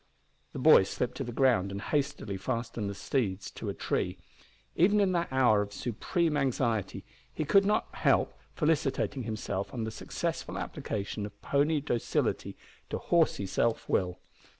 The boy slipped to the ground and hastily fastened the steeds to a tree. Even in that hour of supreme anxiety he could not help felicitating himself on the successful application of pony docility to horsey self will.